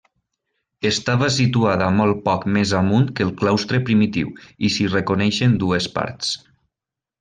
Estava situada molt poc més amunt que el claustre primitiu, i s'hi reconeixen dues parts.